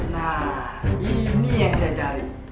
nah ini yang saya cari